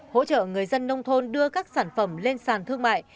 hỗ trợ người dân nông thôn đưa các sản phẩm lên sàn thương mại